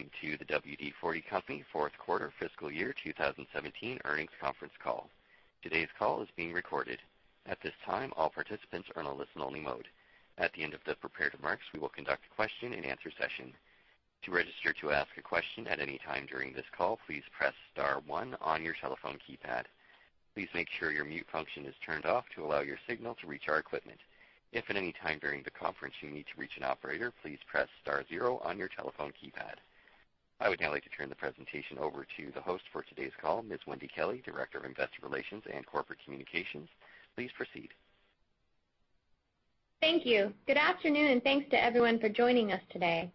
Good day, and welcome to the WD-40 Company fourth quarter fiscal year 2017 earnings conference call. Today's call is being recorded. At this time, all participants are in a listen-only mode. At the end of the prepared remarks, we will conduct a question and answer session. To register to ask a question at any time during this call, please press star one on your telephone keypad. Please make sure your mute function is turned off to allow your signal to reach our equipment. If at any time during the conference you need to reach an operator, please press star zero on your telephone keypad. I would now like to turn the presentation over to the host for today's call, Ms. Wendy Kelley, Director of Investor Relations and Corporate Communications. Please proceed. Thank you. Good afternoon, and thanks to everyone for joining us today.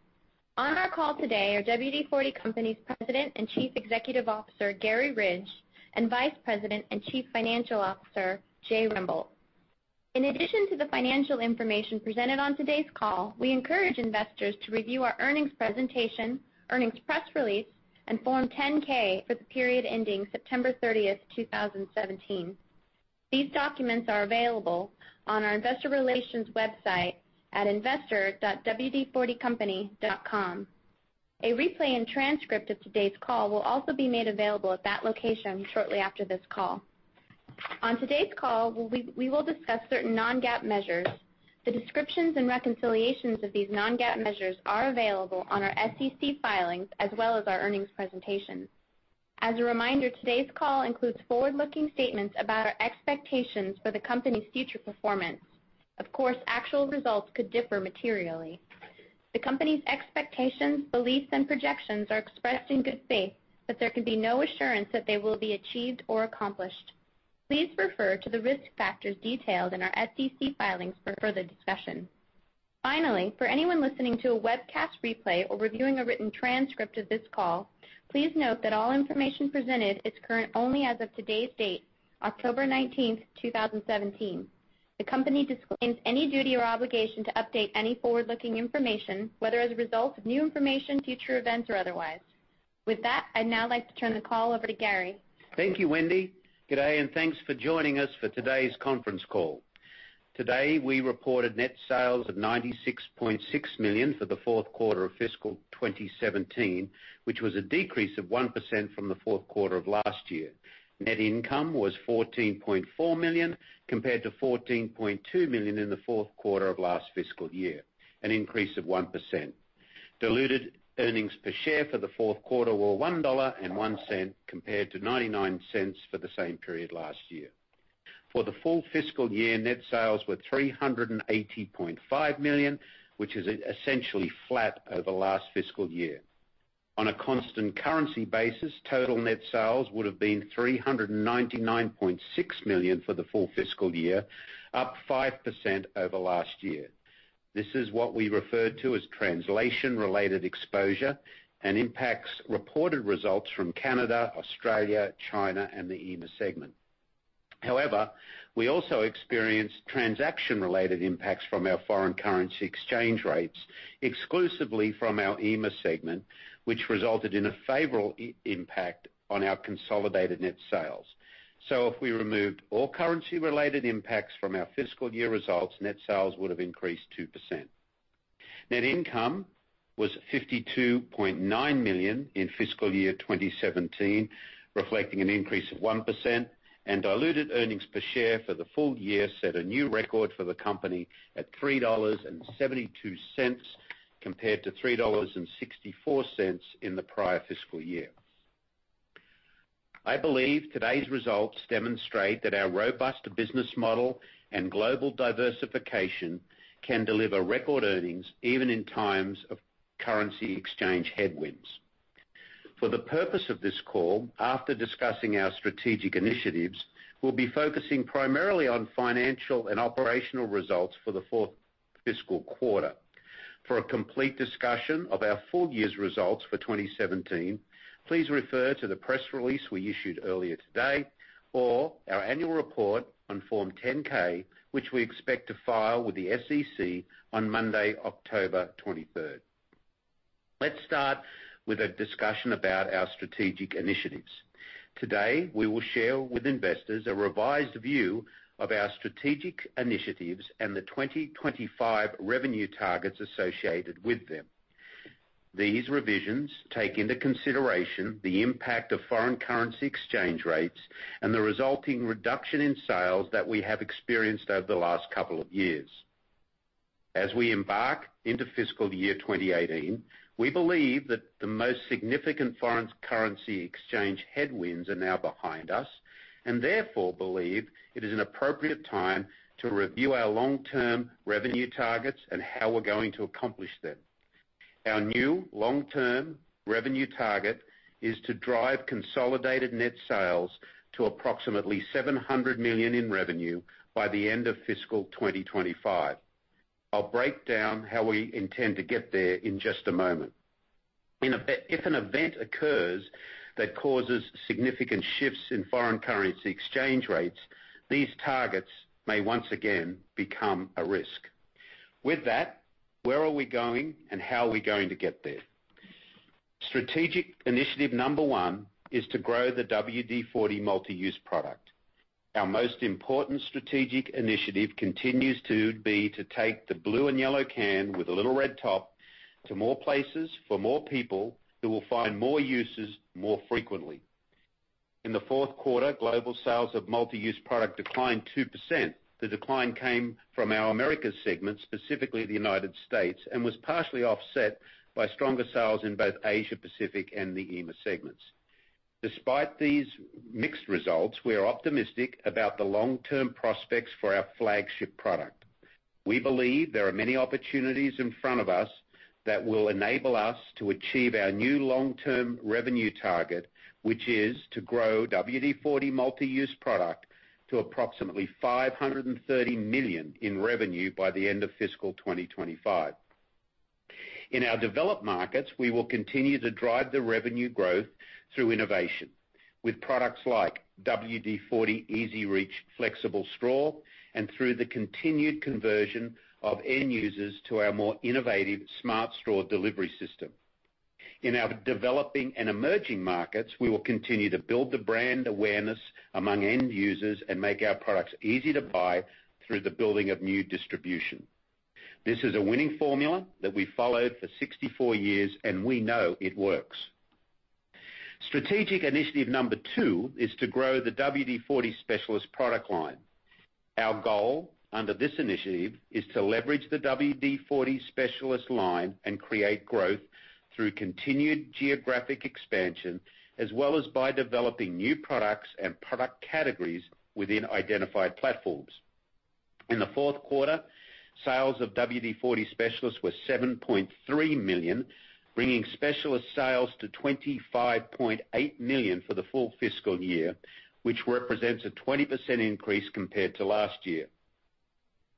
On our call today are WD-40 Company's President and Chief Executive Officer, Garry Ridge, and Vice President and Chief Financial Officer, Jay Rembolt. In addition to the financial information presented on today's call, we encourage investors to review our earnings presentation, earnings press release, and Form 10-K for the period ending September 30th, 2017. These documents are available on our investor relations website at investor.wd40company.com. A replay and transcript of today's call will also be made available at that location shortly after this call. On today's call, we will discuss certain non-GAAP measures. The descriptions and reconciliations of these non-GAAP measures are available on our SEC filings as well as our earnings presentation. As a reminder, today's call includes forward-looking statements about our expectations for the company's future performance. Of course, actual results could differ materially. The company's expectations, beliefs, and projections are expressed in good faith, but there can be no assurance that they will be achieved or accomplished. Please refer to the risk factors detailed in our SEC filings for further discussion. Finally, for anyone listening to a webcast replay or reviewing a written transcript of this call, please note that all information presented is current only as of today's date, October 19th, 2017. The company disclaims any duty or obligation to update any forward-looking information, whether as a result of new information, future events, or otherwise. With that, I'd now like to turn the call over to Garry. Thank you, Wendy. Good day, and thanks for joining us for today's conference call. Today, we reported net sales of $96.6 million for the fourth quarter of fiscal 2017, which was a decrease of 1% from the fourth quarter of last year. Net income was $14.4 million compared to $14.2 million in the fourth quarter of last fiscal year, an increase of 1%. Diluted earnings per share for the fourth quarter were $1.01 compared to $0.99 for the same period last year. For the full fiscal year, net sales were $380.5 million, which is essentially flat over the last fiscal year. On a constant currency basis, total net sales would have been $399.6 million for the full fiscal year, up 5% over last year. This is what we refer to as translation-related exposure and impacts reported results from Canada, Australia, China, and the EMEA segment. However, we also experienced transaction-related impacts from our foreign currency exchange rates, exclusively from our EMEA segment, which resulted in a favorable impact on our consolidated net sales. If we removed all currency-related impacts from our fiscal year results, net sales would have increased 2%. Net income was $52.9 million in fiscal year 2017, reflecting an increase of 1%, and diluted earnings per share for the full year set a new record for the company at $3.72 compared to $3.64 in the prior fiscal year. I believe today's results demonstrate that our robust business model and global diversification can deliver record earnings even in times of currency exchange headwinds. For the purpose of this call, after discussing our strategic initiatives, we'll be focusing primarily on financial and operational results for the fourth fiscal quarter. For a complete discussion of our full year's results for 2017, please refer to the press release we issued earlier today or our annual report on Form 10-K, which we expect to file with the SEC on Monday, October 23rd. Let's start with a discussion about our strategic initiatives. Today, we will share with investors a revised view of our strategic initiatives and the 2025 revenue targets associated with them. These revisions take into consideration the impact of foreign currency exchange rates and the resulting reduction in sales that we have experienced over the last couple of years. As we embark into fiscal year 2018, we believe that the most significant foreign currency exchange headwinds are now behind us, and therefore believe it is an appropriate time to review our long-term revenue targets and how we're going to accomplish them. Our new long-term revenue target is to drive consolidated net sales to approximately $700 million in revenue by the end of fiscal 2025. I'll break down how we intend to get there in just a moment. If an event occurs that causes significant shifts in foreign currency exchange rates, these targets may once again become a risk. With that, where are we going and how are we going to get there? Strategic initiative number one is to grow the WD-40 Multi-Use Product. Our most important strategic initiative continues to be to take the blue and yellow can with a little red top to more places for more people who will find more uses more frequently. In the fourth quarter, global sales of Multi-Use Product declined 2%. The decline came from our America segment, specifically the U.S., and was partially offset by stronger sales in both Asia Pacific and the EMEA segments. Despite these mixed results, we are optimistic about the long-term prospects for our flagship product. We believe there are many opportunities in front of us that will enable us to achieve our new long-term revenue target, which is to grow WD-40 Multi-Use Product to approximately $530 million in revenue by the end of fiscal 2025. In our developed markets, we will continue to drive the revenue growth through innovation with products like WD-40 EZ-REACH, and through the continued conversion of end users to our more innovative Smart Straw delivery system. In our developing and emerging markets, we will continue to build the brand awareness among end users and make our products easy to buy through the building of new distribution. This is a winning formula that we followed for 64 years. We know it works. Strategic Initiative Number Two is to grow the WD-40 Specialist product line. Our goal under this initiative is to leverage the WD-40 Specialist line and create growth through continued geographic expansion as well as by developing new products and product categories within identified platforms. In Q4, sales of WD-40 Specialist were $7.3 million, bringing Specialist sales to $25.8 million for the full fiscal year, which represents a 20% increase compared to last year.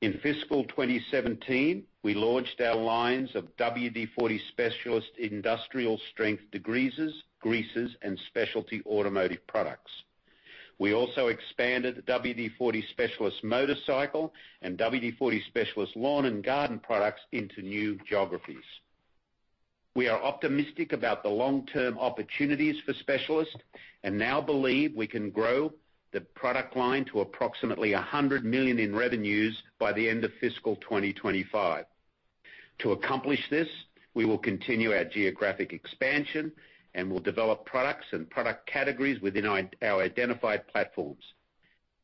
In fiscal 2017, we launched our lines of WD-40 Specialist industrial strength degreasers, greases, and specialty automotive products. We also expanded WD-40 Specialist Motorbike and WD-40 Specialist Lawn & Garden products into new geographies. We are optimistic about the long-term opportunities for Specialist. We now believe we can grow the product line to approximately $100 million in revenues by the end of fiscal 2025. To accomplish this, we will continue our geographic expansion and will develop products and product categories within our identified platforms.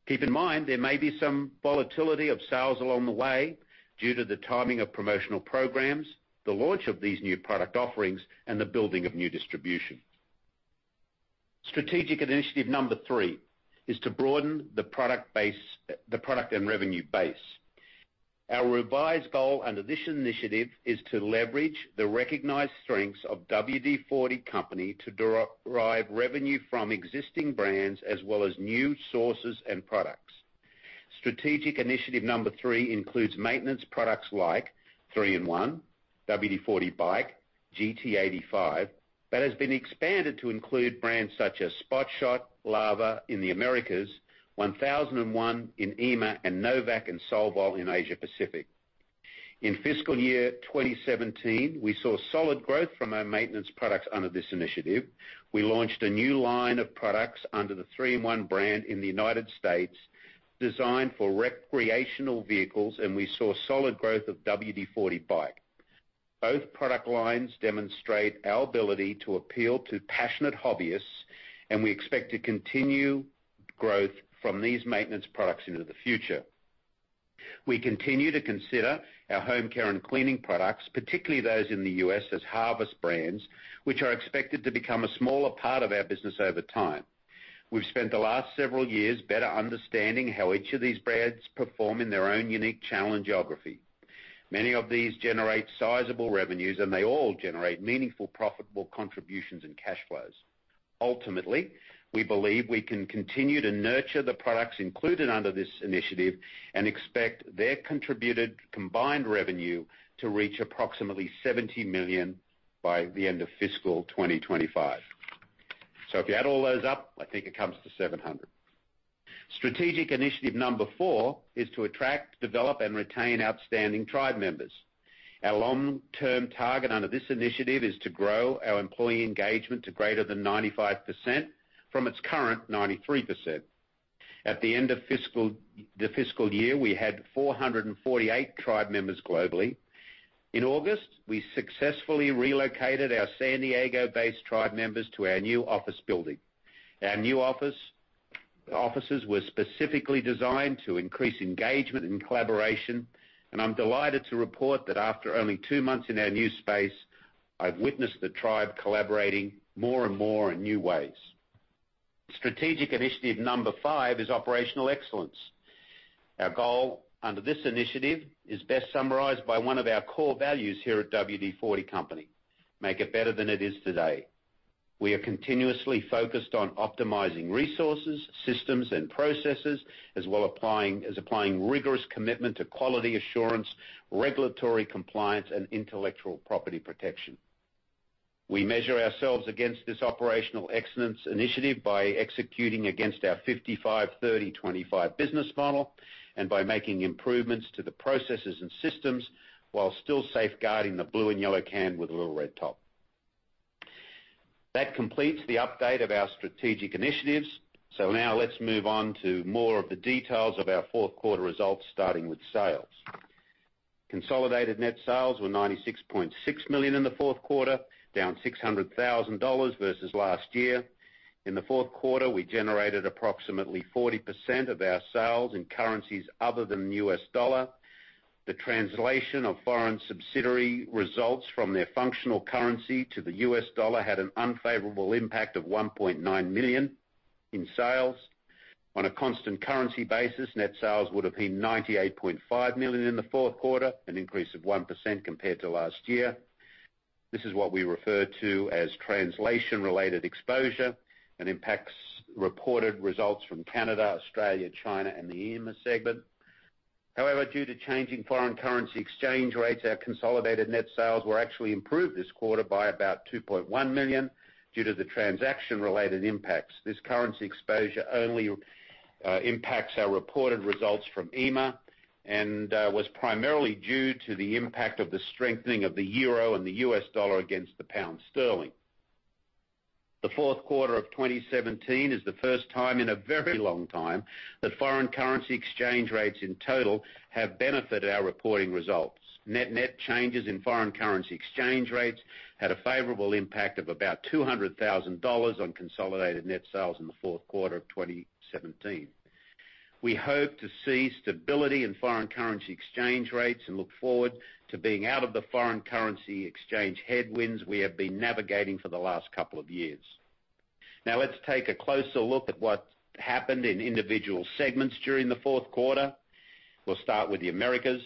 Keep in mind, there may be some volatility of sales along the way due to the timing of promotional programs, the launch of these new product offerings, and the building of new distribution. Strategic Initiative Number Three is to broaden the product and revenue base. Our revised goal under this initiative is to leverage the recognized strengths of WD-40 Company to derive revenue from existing brands as well as new sources and products. Strategic Initiative Number Three includes maintenance products like 3-IN-ONE, WD-40 BIKE, GT85, that has been expanded to include brands such as Spot Shot, Lava in the Americas, 1001 in EMEA, and no vac and Solvol in Asia Pacific. In fiscal 2017, we saw solid growth from our maintenance products under this initiative. We launched a new line of products under the 3-IN-ONE brand in the United States designed for recreational vehicles. We saw solid growth of WD-40 BIKE. Both product lines demonstrate our ability to appeal to passionate hobbyists. We expect to continue growth from these maintenance products into the future. We continue to consider our home care and cleaning products, particularly those in the U.S., as harvest brands, which are expected to become a smaller part of our business over time. We've spent the last several years better understanding how each of these brands perform in their own unique challenge geography. Many of these generate sizable revenues. They all generate meaningful, profitable contributions and cash flows. Ultimately, we believe we can continue to nurture the products included under this initiative. We expect their contributed combined revenue to reach approximately $70 million by the end of fiscal 2025. If you add all those up, I think it comes to $700. Strategic Initiative Number Four is to attract, develop, and retain outstanding tribe members. Our long-term target under this initiative is to grow our employee engagement to greater than 95% from its current 93%. At the end of the fiscal year, we had 448 tribe members globally. In August, we successfully relocated our San Diego-based tribe members to our new office building. Our new offices were specifically designed to increase engagement and collaboration, and I'm delighted to report that after only two months in our new space, I've witnessed the tribe collaborating more and more in new ways. Strategic Initiative number five is Operational Excellence. Our goal under this initiative is best summarized by one of our core values here at WD-40 Company: Make It Better Than It Is Today. We are continuously focused on optimizing resources, systems, and processes, as well as applying rigorous commitment to quality assurance, regulatory compliance, and intellectual property protection. We measure ourselves against this Operational Excellence initiative by executing against our 55/30/25 business model and by making improvements to the processes and systems while still safeguarding the blue and yellow can with a little red top. That completes the update of our strategic initiatives. Now let's move on to more of the details of our fourth quarter results, starting with sales. Consolidated net sales were $96.6 million in the fourth quarter, down $600,000 versus last year. In the fourth quarter, we generated approximately 40% of our sales in currencies other than U.S. dollar. The translation of foreign subsidiary results from their functional currency to the U.S. dollar had an unfavorable impact of $1.9 million in sales. On a constant currency basis, net sales would have been $98.5 million in the fourth quarter, an increase of 1% compared to last year. This is what we refer to as translation-related exposure and impacts reported results from Canada, Australia, China, and the EMEA segment. However, due to changing foreign currency exchange rates, our consolidated net sales were actually improved this quarter by about $2.1 million due to the transaction-related impacts. This currency exposure only impacts our reported results from EMEA and was primarily due to the impact of the strengthening of the EUR and the U.S. dollar against the GBP. The fourth quarter of 2017 is the first time in a very long time that foreign currency exchange rates, in total, have benefited our reporting results. Net changes in foreign currency exchange rates had a favorable impact of about $200,000 on consolidated net sales in the fourth quarter of 2017. We hope to see stability in foreign currency exchange rates and look forward to being out of the foreign currency exchange headwinds we have been navigating for the last couple of years. Let's take a closer look at what happened in individual segments during the fourth quarter. We'll start with the Americas.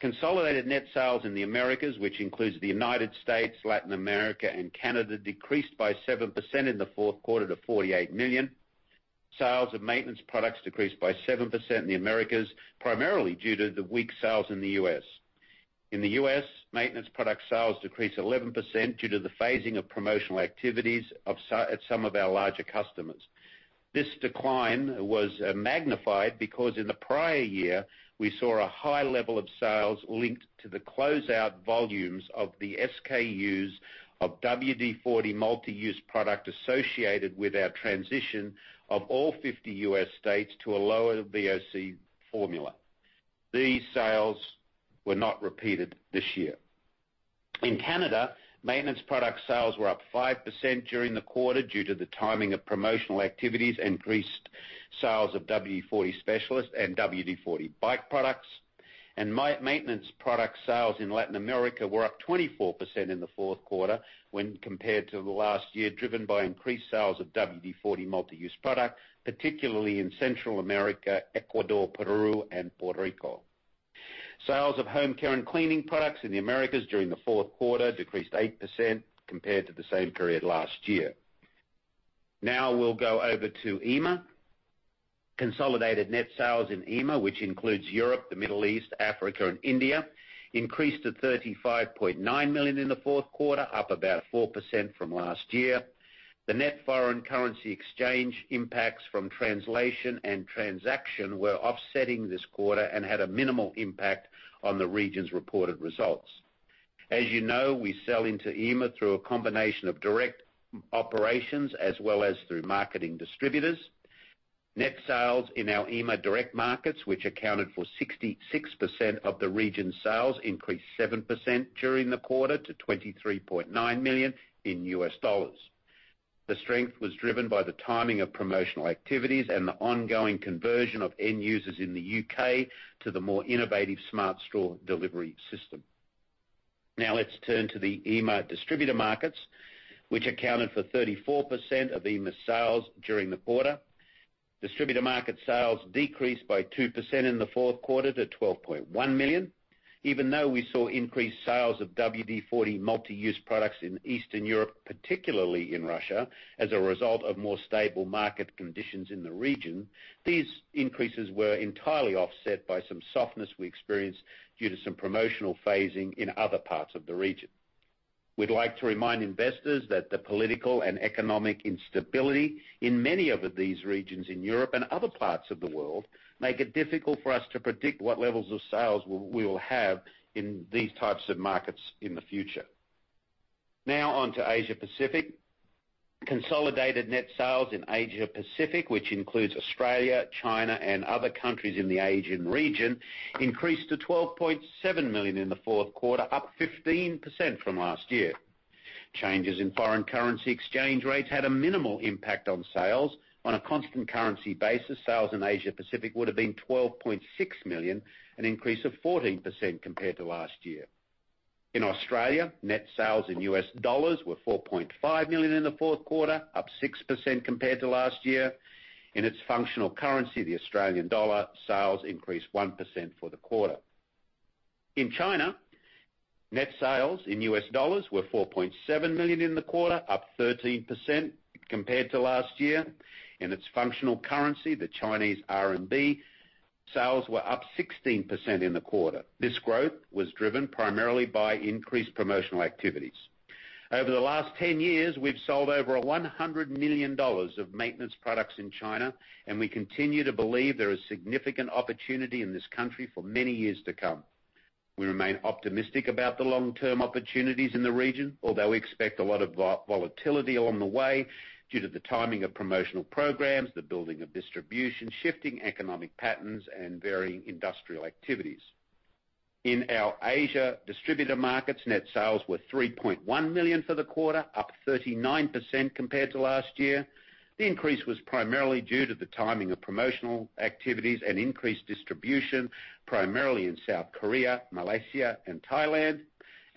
Consolidated net sales in the Americas, which includes the United States, Latin America, and Canada, decreased by 7% in the fourth quarter to $48 million. Sales of maintenance products decreased by 7% in the Americas, primarily due to the weak sales in the U.S. In the U.S., maintenance product sales decreased 11% due to the phasing of promotional activities at some of our larger customers. This decline was magnified because in the prior year, we saw a high level of sales linked to the closeout volumes of the SKUs of WD-40 Multi-Use Product associated with our transition of all 50 U.S. states to a lower VOC formula. These sales were not repeated this year. In Canada, maintenance product sales were up 5% during the quarter due to the timing of promotional activities, increased sales of WD-40 Specialist and WD-40 BIKE products. Maintenance product sales in Latin America were up 24% in the fourth quarter when compared to last year, driven by increased sales of WD-40 Multi-Use Product, particularly in Central America, Ecuador, Peru, and Puerto Rico. Sales of home care and cleaning products in the Americas during the fourth quarter decreased 8% compared to the same period last year. Now we'll go over to EMEA. Consolidated net sales in EMEA, which includes Europe, the Middle East, Africa, and India, increased to $35.9 million in the fourth quarter, up about 4% from last year. The net foreign currency exchange impacts from translation and transaction were offsetting this quarter and had a minimal impact on the region's reported results. As you know, we sell into EMEA through a combination of direct operations as well as through marketing distributors. Net sales in our EMEA direct markets, which accounted for 66% of the region's sales, increased 7% during the quarter to $23.9 million. The strength was driven by the timing of promotional activities and the ongoing conversion of end users in the U.K. to the more innovative Smart Straw delivery system. Now let's turn to the EMEA distributor markets, which accounted for 34% of EMEA's sales during the quarter. Distributor market sales decreased by 2% in the fourth quarter to $12.1 million. Even though we saw increased sales of WD-40 Multi-Use Products in Eastern Europe, particularly in Russia, as a result of more stable market conditions in the region, these increases were entirely offset by some softness we experienced due to some promotional phasing in other parts of the region. We'd like to remind investors that the political and economic instability in many of these regions in Europe and other parts of the world make it difficult for us to predict what levels of sales we will have in these types of markets in the future. Now on to Asia-Pacific. Consolidated net sales in Asia-Pacific, which includes Australia, China, and other countries in the Asian region, increased to $12.7 million in the fourth quarter, up 15% from last year. Changes in foreign currency exchange rates had a minimal impact on sales. On a constant currency basis, sales in Asia-Pacific would have been $12.6 million, an increase of 14% compared to last year. In Australia, net sales in US dollars were $4.5 million in the fourth quarter, up 6% compared to last year. In its functional currency, the Australian dollar, AUD sales increased 1% for the quarter. In China, net sales in US dollars were $4.7 million in the quarter, up 13% compared to last year. In its functional currency, the Chinese RMB sales were up 16% in the quarter. This growth was driven primarily by increased promotional activities. Over the last 10 years, we've sold over $100 million of maintenance products in China, and we continue to believe there is significant opportunity in this country for many years to come. We remain optimistic about the long-term opportunities in the region, although we expect a lot of volatility along the way due to the timing of promotional programs, the building of distribution, shifting economic patterns, and varying industrial activities. In our Asia distributor markets, net sales were $3.1 million for the quarter, up 39% compared to last year. The increase was primarily due to the timing of promotional activities and increased distribution, primarily in South Korea, Malaysia, and Thailand.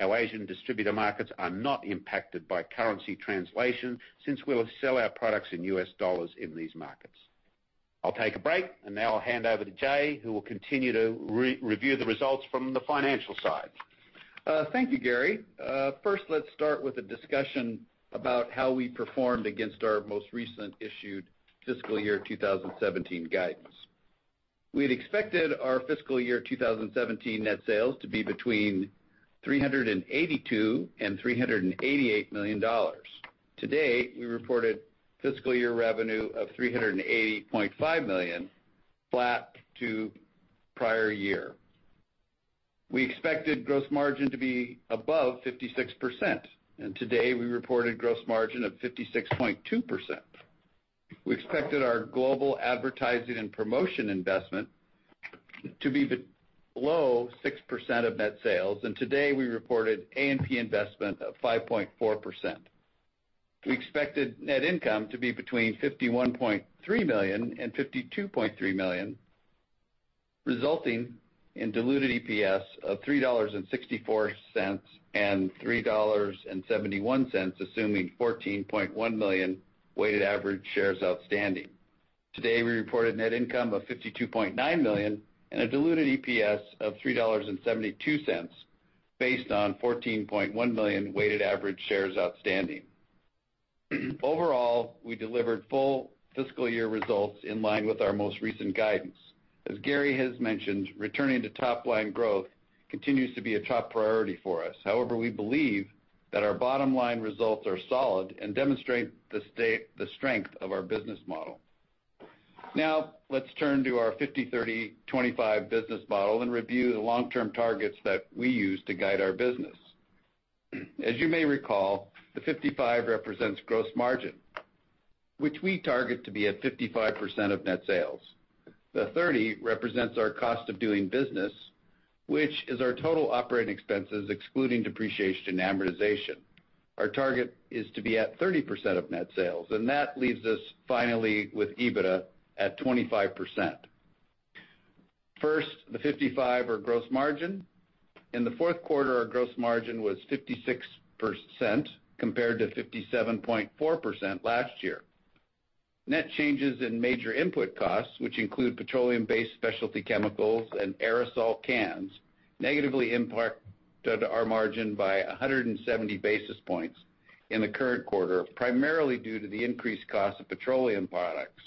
Our Asian distributor markets are not impacted by currency translation, since we will sell our products in US dollars in these markets. I'll take a break, and now I'll hand over to Jay, who will continue to review the results from the financial side. Thank you, Garry. Let's start with a discussion about how we performed against our most recent issued fiscal year 2017 guidance. We had expected our fiscal year 2017 net sales to be between $382 million and $388 million. Today, we reported fiscal year revenue of $380.5 million, flat to prior year. We expected gross margin to be above 56%. Today, we reported gross margin of 56.2%. We expected our global advertising and promotion investment to be below 6% of net sales. Today, we reported A&P investment of 5.4%. We expected net income to be between $51.3 million and $52.3 million, resulting in diluted EPS of $3.64 and $3.71, assuming 14.1 million weighted average shares outstanding. Today, we reported net income of $52.9 million and a diluted EPS of $3.72, based on 14.1 million weighted average shares outstanding. Overall, we delivered full fiscal year results in line with our most recent guidance. As Garry has mentioned, returning to top-line growth continues to be a top priority for us. We believe that our bottom-line results are solid and demonstrate the strength of our business model. Let's turn to our 55/30/25 business model and review the long-term targets that we use to guide our business. You may recall, the 55 represents gross margin, which we target to be at 55% of net sales. The 30 represents our cost of doing business, which is our total operating expenses excluding depreciation and amortization. Our target is to be at 30% of net sales. That leaves us finally with EBITDA at 25%. The 55 or gross margin. In the fourth quarter, our gross margin was 56% compared to 57.4% last year. Net changes in major input costs, which include petroleum-based specialty chemicals and aerosol cans, negatively impacted our margin by 170 basis points in the current quarter, primarily due to the increased cost of petroleum products.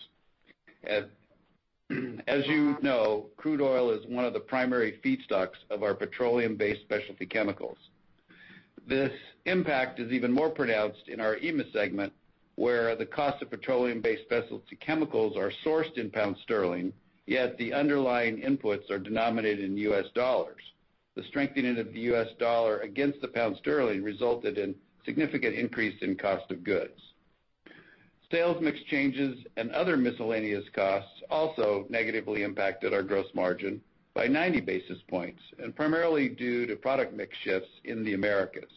You know, crude oil is one of the primary feedstocks of our petroleum-based specialty chemicals. This impact is even more pronounced in our EMEA segment, where the cost of petroleum-based specialty chemicals are sourced in pound sterling, yet the underlying inputs are denominated in US dollars. The strengthening of the US dollar against the pound sterling resulted in significant increase in cost of goods. Sales mix changes and other miscellaneous costs also negatively impacted our gross margin by 90 basis points, and primarily due to product mix shifts in the Americas.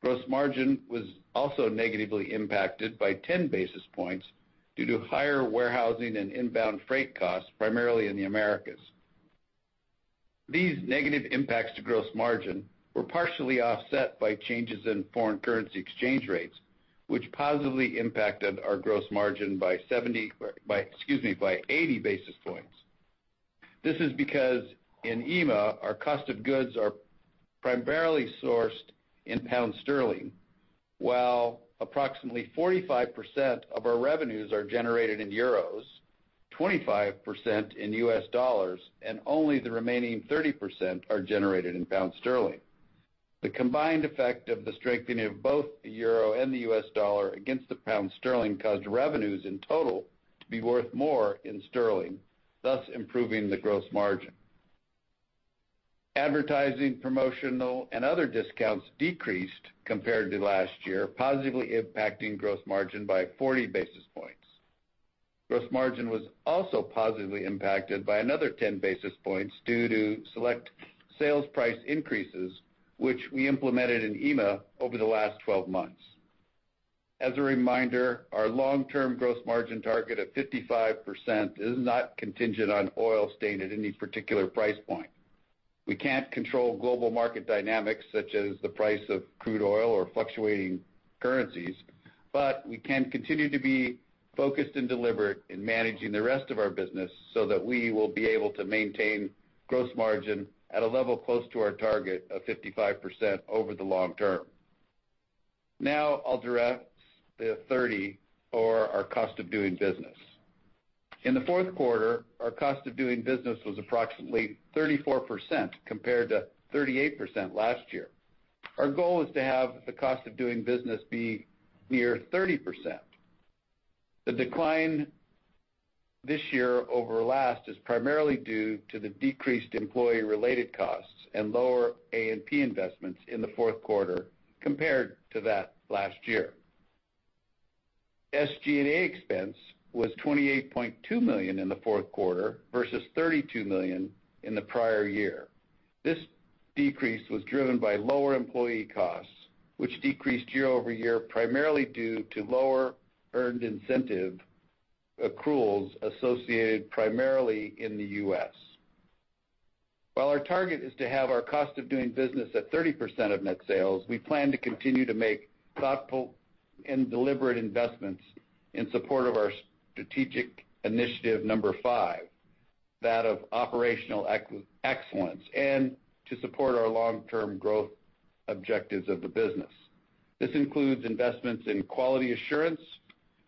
Gross margin was also negatively impacted by 10 basis points due to higher warehousing and inbound freight costs, primarily in the Americas. These negative impacts to gross margin were partially offset by changes in foreign currency exchange rates, which positively impacted our gross margin by 80 basis points. This is because in EMEA, our cost of goods are primarily sourced in pound sterling, while approximately 45% of our revenues are generated in euros, 25% in U.S. dollars, and only the remaining 30% are generated in pound sterling. The combined effect of the strengthening of both the euro and the U.S. dollar against the pound sterling caused revenues in total to be worth more in sterling, thus improving the gross margin. Advertising, promotional, and other discounts decreased compared to last year, positively impacting gross margin by 40 basis points. Gross margin was also positively impacted by another 10 basis points due to select sales price increases, which we implemented in EMEA over the last 12 months. As a reminder, our long-term gross margin target of 55% is not contingent on oil staying at any particular price point. We can't control global market dynamics such as the price of crude oil or fluctuating currencies, but we can continue to be focused and deliberate in managing the rest of our business so that we will be able to maintain gross margin at a level close to our target of 55% over the long term. Now I'll direct the 30% for our cost of doing business. In the fourth quarter, our cost of doing business was approximately 34% compared to 38% last year. Our goal is to have the cost of doing business be near 30%. The decline this year over last is primarily due to the decreased employee-related costs and lower A&P investments in the fourth quarter compared to that last year. SG&A expense was $28.2 million in the fourth quarter versus $32 million in the prior year. This decrease was driven by lower employee costs, which decreased year-over-year, primarily due to lower earned incentive accruals associated primarily in the U.S. While our target is to have our cost of doing business at 30% of net sales, we plan to continue to make thoughtful and deliberate investments in support of our strategic initiative number 5, that of operational excellence, and to support our long-term growth objectives of the business. This includes investments in quality assurance,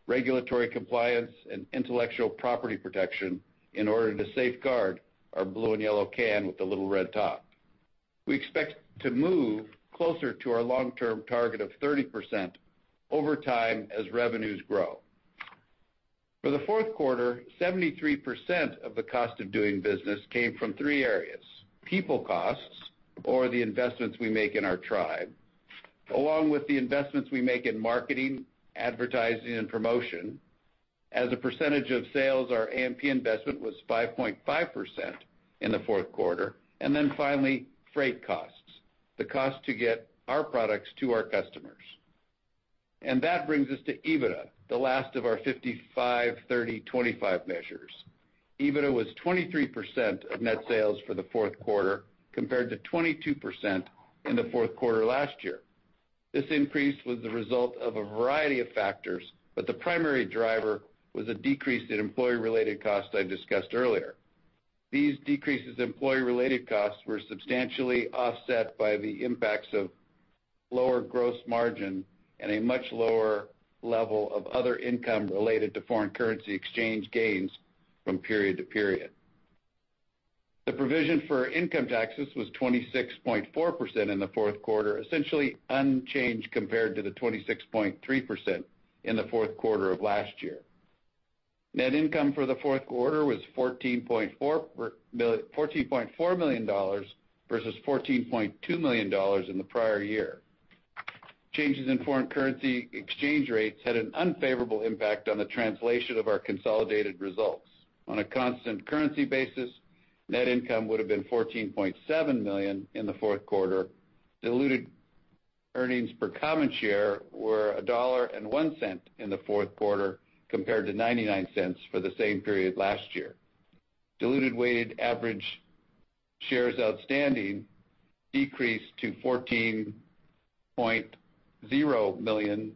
regulatory compliance, and intellectual property protection in order to safeguard our blue and yellow can with the little red top. We expect to move closer to our long-term target of 30% over time as revenues grow. For the fourth quarter, 73% of the cost of doing business came from three areas. People costs, or the investments we make in our tribe, along with the investments we make in marketing, advertising, and promotion. As a percentage of sales, our A&P investment was 5.5% in the fourth quarter. Finally, freight costs, the cost to get our products to our customers. That brings us to EBITDA, the last of our 55/30/25 measures. EBITDA was 23% of net sales for the fourth quarter, compared to 22% in the fourth quarter last year. This increase was the result of a variety of factors, but the primary driver was a decrease in employee-related costs I discussed earlier. These decreases in employee-related costs were substantially offset by the impacts of lower gross margin and a much lower level of other income related to foreign currency exchange gains from period to period. The provision for income taxes was 26.4% in the fourth quarter, essentially unchanged compared to the 26.3% in the fourth quarter of last year. Net income for the fourth quarter was $14.4 million versus $14.2 million in the prior year. Changes in foreign currency exchange rates had an unfavorable impact on the translation of our consolidated results. On a constant currency basis, net income would have been $14.7 million in the fourth quarter. Diluted earnings per common share were $1.01 in the fourth quarter, compared to $0.99 for the same period last year. Diluted weighted average shares outstanding decreased to 14.0 million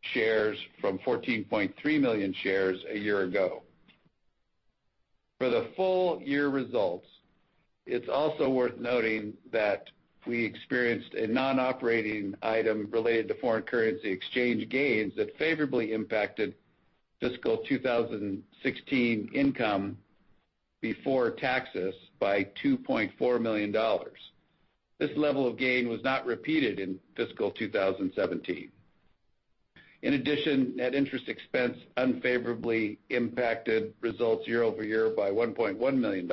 shares from 14.3 million shares a year ago. For the full year results, it is also worth noting that we experienced a non-operating item related to foreign currency exchange gains that favorably impacted fiscal 2016 income before taxes by $2.4 million. This level of gain was not repeated in fiscal 2017. In addition, net interest expense unfavorably impacted results year-over-year by $1.1 million.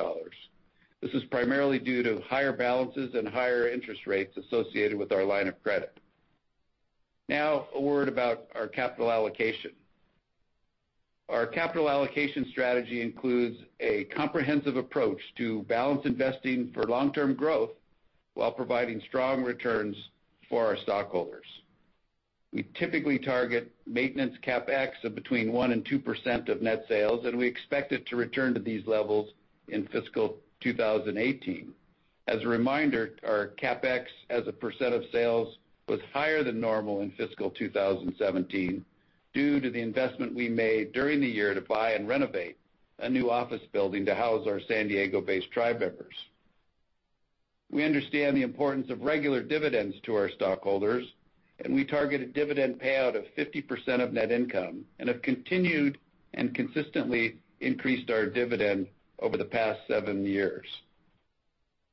This is primarily due to higher balances and higher interest rates associated with our line of credit. A word about our capital allocation. Our capital allocation strategy includes a comprehensive approach to balance investing for long-term growth while providing strong returns for our stockholders. We typically target maintenance CapEx of between 1% and 2% of net sales, and we expect it to return to these levels in fiscal 2018. As a reminder, our CapEx as a percent of sales was higher than normal in fiscal 2017 due to the investment we made during the year to buy and renovate a new office building to house our San Diego-based tribe members. We understand the importance of regular dividends to our stockholders, we target a dividend payout of 50% of net income, have continued and consistently increased our dividend over the past seven years.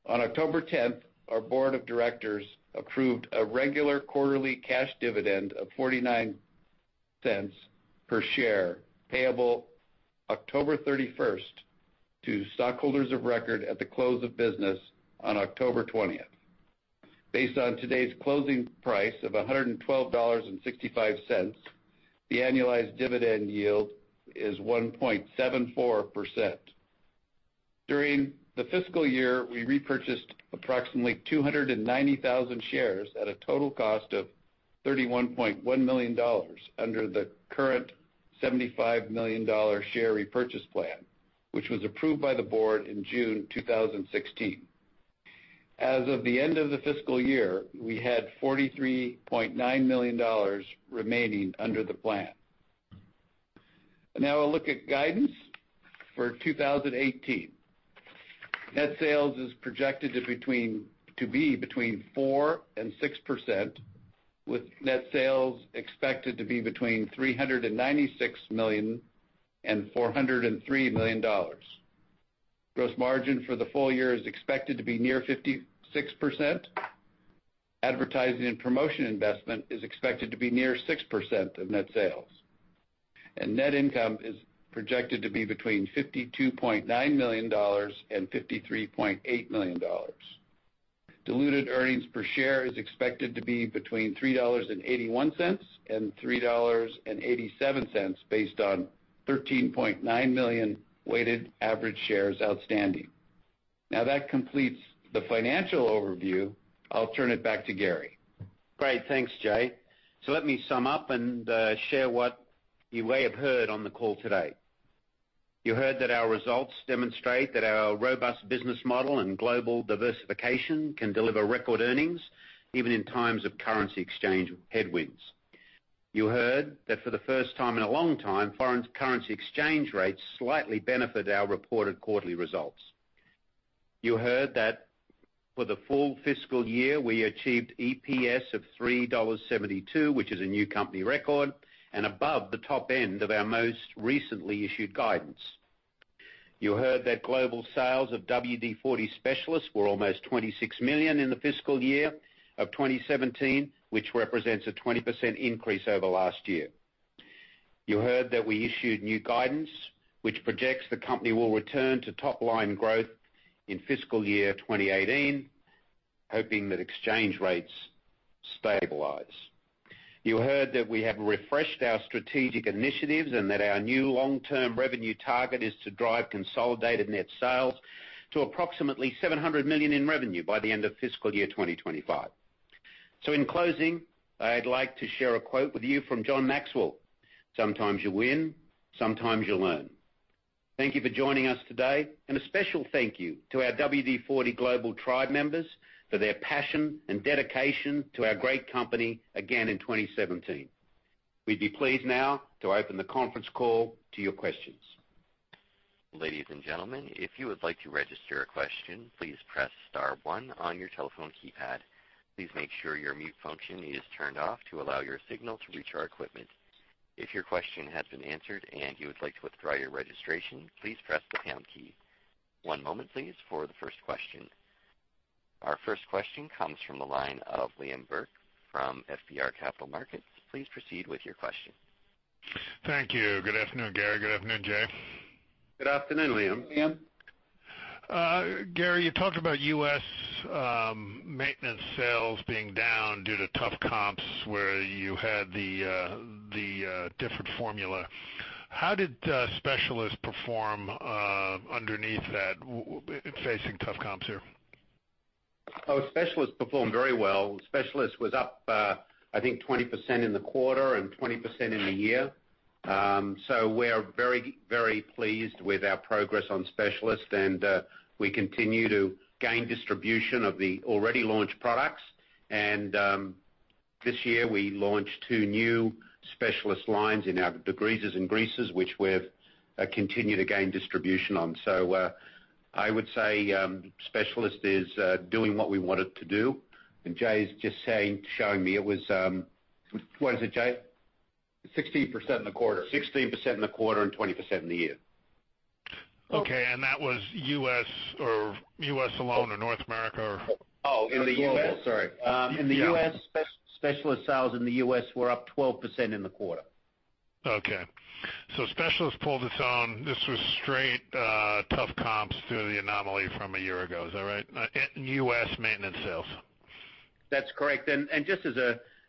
On October 10th, our board of directors approved a regular quarterly cash dividend of $0.49 per share, payable October 31st to stockholders of record at the close of business on October 20th. Based on today's closing price of $112.65, the annualized dividend yield is 1.74%. During the fiscal year, we repurchased approximately 290,000 shares at a total cost of $31.1 million under the current $75 million share repurchase plan, which was approved by the board in June 2016. As of the end of the fiscal year, we had $43.9 million remaining under the plan. We'll look at guidance for 2018. Net sales is projected to be between 4% and 6%, with net sales expected to be between $396 million and $403 million. Gross margin for the full year is expected to be near 56%. Advertising and promotion investment is expected to be near 6% of net sales. Net income is projected to be between $52.9 million and $53.8 million. Diluted earnings per share is expected to be between $3.81 and $3.87, based on 13.9 million weighted average shares outstanding. That completes the financial overview. I'll turn it back to Garry. Thanks, Jay. Let me sum up and share what you may have heard on the call today. You heard that our results demonstrate that our robust business model and global diversification can deliver record earnings, even in times of currency exchange headwinds. You heard that for the first time in a long time, foreign currency exchange rates slightly benefit our reported quarterly results. You heard that for the full fiscal year, we achieved EPS of $3.72, which is a new company record and above the top end of our most recently issued guidance. You heard that global sales of WD-40 Specialist were almost $26 million in fiscal year 2017, which represents a 20% increase over last year. You heard that we issued new guidance, which projects the company will return to top-line growth in fiscal year 2018, hoping that exchange rates stabilize. You heard that we have refreshed our strategic initiatives and that our new long-term revenue target is to drive consolidated net sales to approximately $700 million in revenue by the end of fiscal year 2025. In closing, I'd like to share a quote with you from John Maxwell, "Sometimes you win, sometimes you learn." Thank you for joining us today, and a special thank you to our WD-40 global tribe members for their passion and dedication to our great company again in 2017. We'd be pleased now to open the conference call to your questions. Ladies and gentlemen, if you would like to register a question, please press star one on your telephone keypad. Please make sure your mute function is turned off to allow your signal to reach our equipment. If your question has been answered and you would like to withdraw your registration, please press the pound key. One moment, please, for the first question. Our first question comes from the line of Liam Burke from FBR Capital Markets. Please proceed with your question. Thank you. Good afternoon, Garry. Good afternoon, Jay. Good afternoon, Liam. Liam. Garry, you talked about U.S. maintenance sales being down due to tough comps where you had the different formula. How did Specialist perform underneath that, facing tough comps here? Specialist performed very well. Specialist was up, I think, 20% in the quarter and 20% in the year. We're very, very pleased with our progress on Specialist, and we continue to gain distribution of the already launched products. This year we launched two new Specialist lines in our degreasers and greases, which we've continued to gain distribution on. I would say Specialist is doing what we want it to do, and Jay is just showing me it was What is it, Jay? 16% in the quarter. 16% in the quarter and 20% in the year. That was U.S. alone or North America? Oh, in the U.S. Global, sorry. Yeah. Specialist sales in the U.S. were up 12% in the quarter. Specialist pulled its own. This was straight, tough comps through the anomaly from a year ago. Is that right? In U.S. maintenance sales. That's correct. Just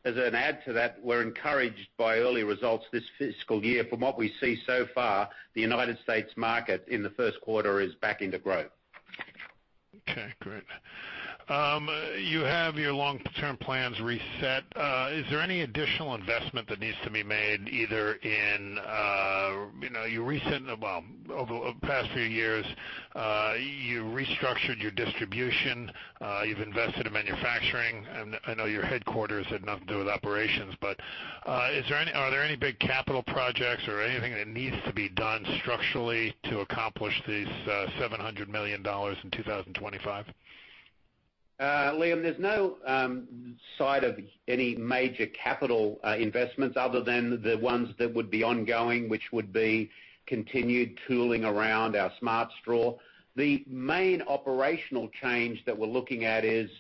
as an add to that, we're encouraged by early results this fiscal year. From what we see so far, the United States market in the first quarter is back into growth. Great. You have your long-term plans reset. Is there any additional investment that needs to be made either Over the past few years, you restructured your distribution, you've invested in manufacturing, I know your headquarters had nothing to do with operations. Are there any big capital projects or anything that needs to be done structurally to accomplish these $700 million in 2025? Liam, there's no sight of any major capital investments other than the ones that would be ongoing, which would be continued tooling around our Smart Straw. The main operational change that we're looking at is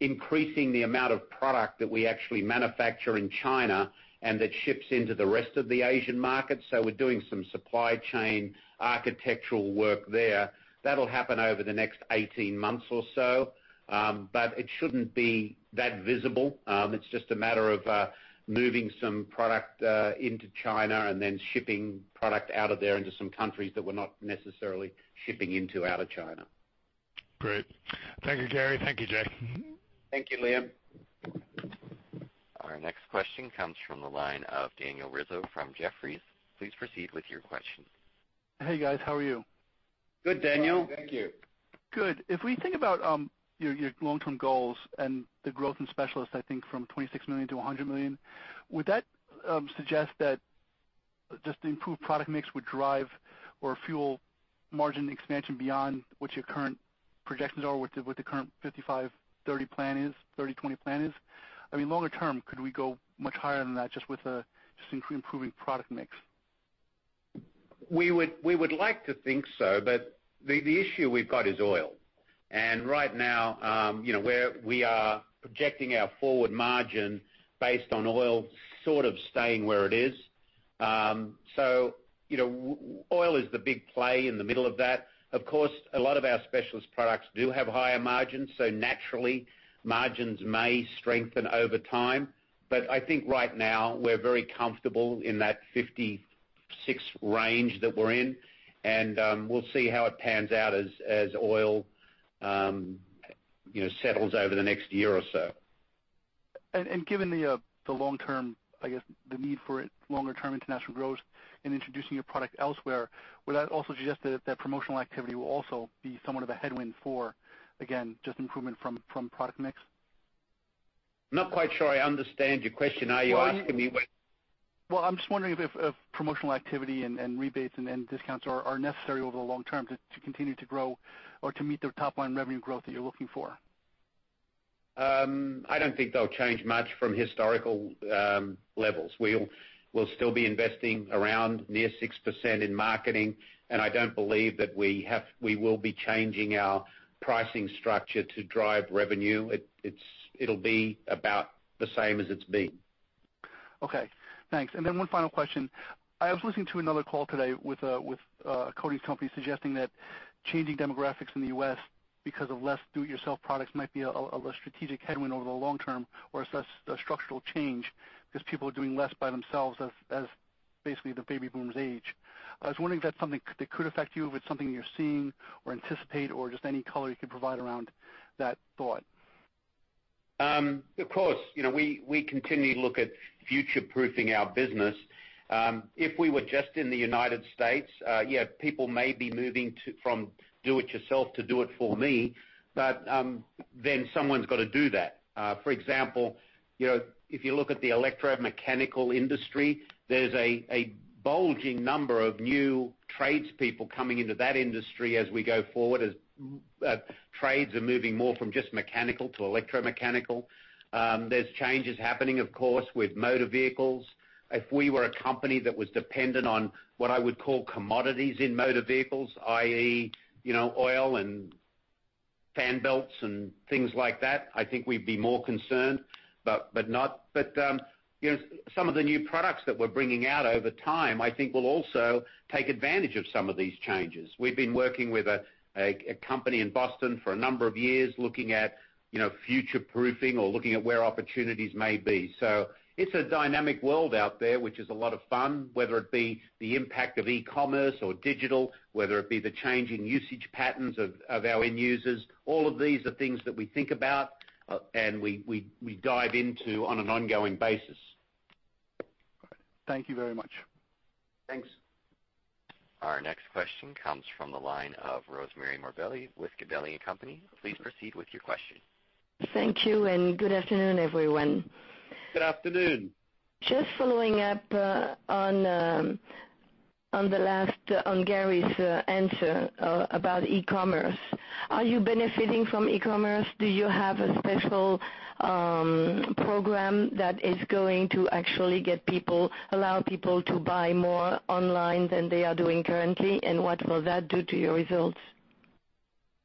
increasing the amount of product that we actually manufacture in China and that ships into the rest of the Asian market. We're doing some supply chain architectural work there. That'll happen over the next 18 months or so. It shouldn't be that visible. It's just a matter of moving some product into China and then shipping product out of there into some countries that we're not necessarily shipping into, out of China. Great. Thank you, Garry. Thank you, Jay. Thank you, Liam. Our next question comes from the line of Daniel Rizzo from Jefferies. Please proceed with your question. Hey, guys. How are you? Good, Daniel. Thank you. Good. If we think about your long-term goals and the growth in Specialist, I think from $26 million to $100 million, would that suggest that just the improved product mix would drive or fuel margin expansion beyond what your current projections are with the current 55/30 plan is, 30/20 plan is? Longer term, could we go much higher than that just with improving product mix? We would like to think so, but the issue we've got is oil. Right now, we are projecting our forward margin based on oil sort of staying where it is. Oil is the big play in the middle of that. Of course, a lot of our Specialist products do have higher margins, so naturally, margins may strengthen over time. I think right now, we're very comfortable in that 56 range that we're in, and we'll see how it pans out as oil settles over the next year or so. Given the long-term, I guess, the need for longer-term international growth in introducing your product elsewhere, would that also suggest that promotional activity will also be somewhat of a headwind for, again, just improvement from product mix? Not quite sure I understand your question. Are you asking me? I'm just wondering if promotional activity and rebates and discounts are necessary over the long term to continue to grow or to meet the top-line revenue growth that you're looking for. I don't think they'll change much from historical levels. We'll still be investing around 6% in marketing. I don't believe that we will be changing our pricing structure to drive revenue. It'll be about the same as it's been. Okay, thanks. One final question. I was listening to another call today with a coatings company suggesting that changing demographics in the U.S. because of less do-it-yourself products might be a strategic headwind over the long term or a structural change because people are doing less by themselves as basically the baby boomers age. I was wondering if that's something that could affect you, if it's something you're seeing or anticipate or just any color you could provide around that thought. Of course. We continually look at future-proofing our business. If we were just in the United States, yeah, people may be moving from do-it-yourself to do it for me. Someone's got to do that. For example, if you look at the electromechanical industry, there's a bulging number of new tradespeople coming into that industry as we go forward, as trades are moving more from just mechanical to electromechanical. There's changes happening, of course, with motor vehicles. If we were a company that was dependent on what I would call commodities in motor vehicles, i.e., oil and fan belts and things like that, I think we'd be more concerned. Some of the new products that we're bringing out over time, I think will also take advantage of some of these changes. We've been working with a company in Boston for a number of years looking at future-proofing or looking at where opportunities may be. It's a dynamic world out there, which is a lot of fun, whether it be the impact of e-commerce or digital, whether it be the change in usage patterns of our end users. All of these are things that we think about, and we dive into on an ongoing basis. Thank you very much. Thanks. Our next question comes from the line of Rosemarie Morbelli with Gabelli & Company. Please proceed with your question. Thank you. Good afternoon, everyone. Good afternoon. Just following up on Garry's answer about e-commerce. Are you benefiting from e-commerce? Do you have a special program that is going to actually allow people to buy more online than they are doing currently? What will that do to your results?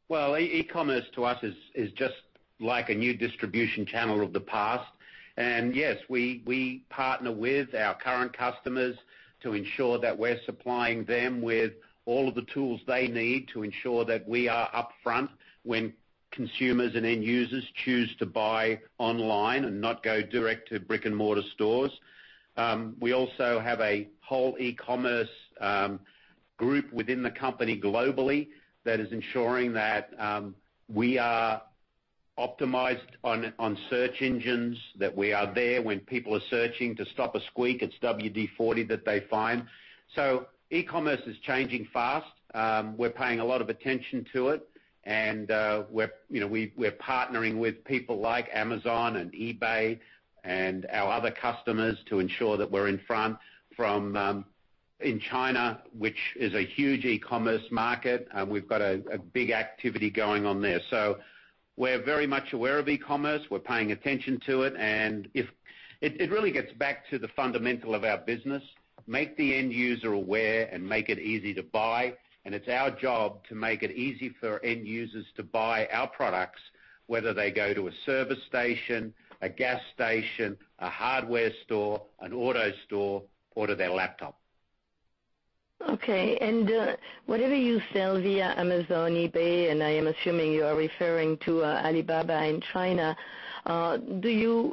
Well, e-commerce to us is just like a new distribution channel of the past. Yes, we partner with our current customers to ensure that we're supplying them with all of the tools they need to ensure that we are up front when consumers and end users choose to buy online and not go direct to brick-and-mortar stores. We also have a whole e-commerce group within the company globally that is ensuring that we are optimized on search engines, that we are there when people are searching to stop a squeak, it's WD-40 that they find. E-commerce is changing fast. We're paying a lot of attention to it, and we're partnering with people like Amazon and eBay and our other customers to ensure that we're in front. In China, which is a huge e-commerce market, we've got a big activity going on there. We're very much aware of e-commerce. We're paying attention to it. It really gets back to the fundamental of our business, make the end user aware and make it easy to buy. It's our job to make it easy for end users to buy our products, whether they go to a service station, a gas station, a hardware store, an auto store, or to their laptop. Okay. Whatever you sell via Amazon, eBay, and I am assuming you are referring to Alibaba in China, is the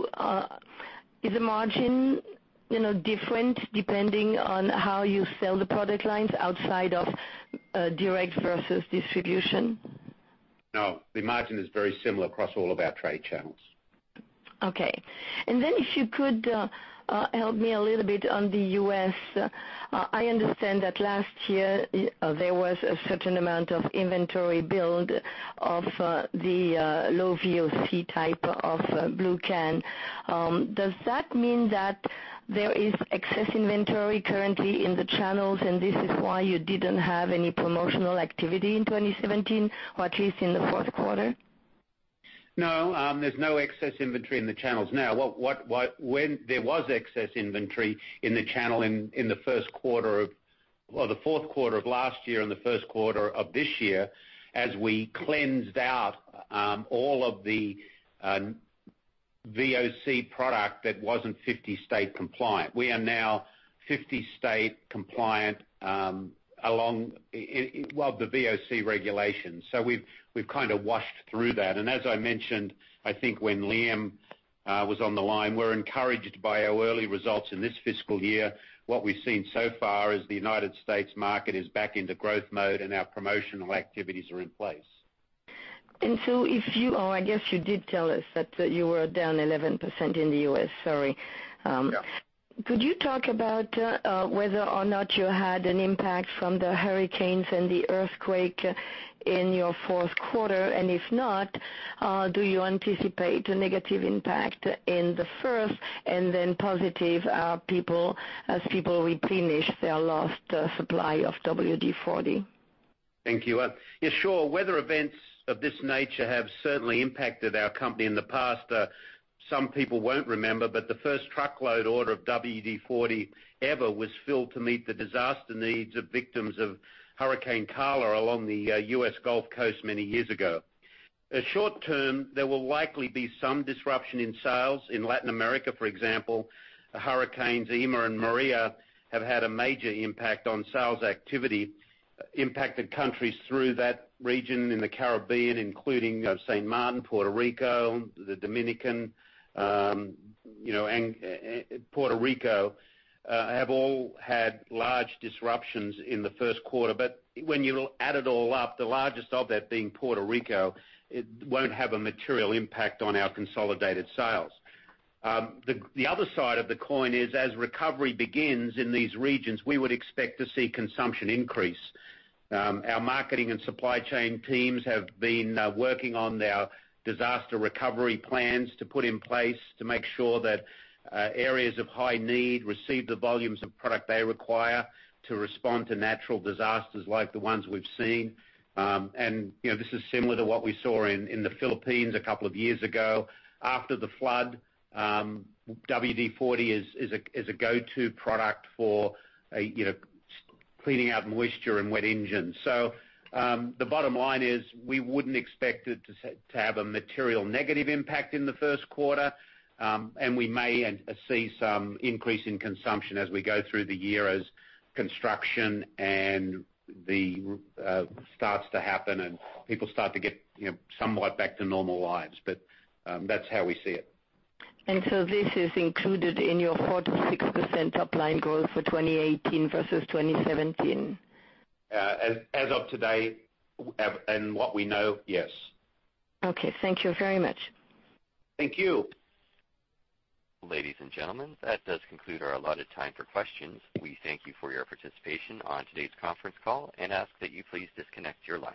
margin different depending on how you sell the product lines outside of direct versus distribution? No, the margin is very similar across all of our trade channels. Okay. If you could help me a little bit on the U.S. I understand that last year there was a certain amount of inventory build of the low VOC type of blue can. Does that mean that there is excess inventory currently in the channels, and this is why you didn't have any promotional activity in 2017 or at least in the fourth quarter? No, there's no excess inventory in the channels now. When there was excess inventory in the channel in the first quarter of the fourth quarter of last year and the first quarter of this year, as we cleansed out all of the VOC product that wasn't 50-state compliant. We are now 50-state compliant along the VOC regulations. We've kind of washed through that. As I mentioned, I think when Liam was on the line, we're encouraged by our early results in this fiscal year. What we've seen so far is the United States market is back into growth mode, and our promotional activities are in place. If you I guess you did tell us that you were down 11% in the U.S., sorry. Yeah. Could you talk about whether or not you had an impact from the hurricanes and the earthquake in your fourth quarter? If not, do you anticipate a negative impact in the first and then positive as people replenish their lost supply of WD-40? Thank you. Yeah, sure. Weather events of this nature have certainly impacted our company in the past. Some people won't remember, but the first truckload order of WD-40 ever was filled to meet the disaster needs of victims of Hurricane Carla along the U.S. Gulf Coast many years ago. In short term, there will likely be some disruption in sales. In Latin America, for example, Hurricanes Irma and Maria have had a major impact on sales activity, impacted countries through that region in the Caribbean, including St. Martin, Puerto Rico, the Dominican, and Puerto Rico, have all had large disruptions in the first quarter. When you add it all up, the largest of that being Puerto Rico, it won't have a material impact on our consolidated sales. The other side of the coin is, as recovery begins in these regions, we would expect to see consumption increase. Our marketing and supply chain teams have been working on our disaster recovery plans to put in place to make sure that areas of high need receive the volumes of product they require to respond to natural disasters like the ones we've seen. This is similar to what we saw in the Philippines a couple of years ago. After the flood, WD-40 is a go-to product for cleaning out moisture and wet engines. The bottom line is we wouldn't expect it to have a material negative impact in the first quarter, and we may see some increase in consumption as we go through the year as construction starts to happen and people start to get somewhat back to normal lives. That's how we see it. This is included in your 4%-6% top-line goal for 2018 versus 2017. As of today and what we know, yes. Okay. Thank you very much. Thank you. Ladies and gentlemen, that does conclude our allotted time for questions. We thank you for your participation on today's conference call and ask that you please disconnect your lines.